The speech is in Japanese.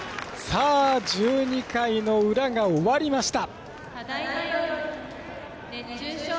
１２回の裏が終わりました。